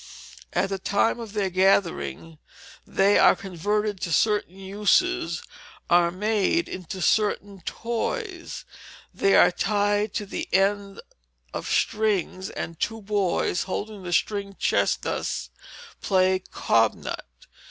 At the time of their gathering they are converted to certain uses, are made into certain toys. They are tied to the ends of strings, and two boys, holding the stringed chestnuts, play cob nut.